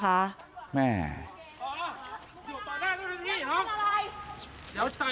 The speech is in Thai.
เอ้ยเอาใส่กุญแจมือเลยไหน